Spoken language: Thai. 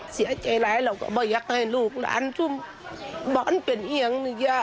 เสียใจร้ายเราก็ไม่อยากให้ลูกหลานทุ่มบอลเป็นเอียงนี่ย่า